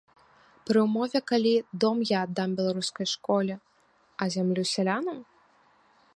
Пры ўмове, калі дом я аддам беларускай школе, а зямлю сялянам?